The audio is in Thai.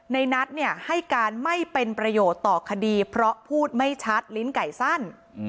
ในนัทให้การไม่เป็นประโยชน์ต่อคดีเพราะพูดไม่ชัดลิ้นไก่สั้น